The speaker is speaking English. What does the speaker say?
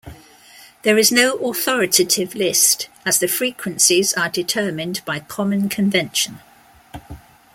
There is no authoritative list, as the frequencies are determined by common convention.